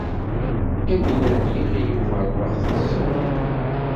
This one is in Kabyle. Yamina n Yiɣil Ubeṛwaq teẓẓul.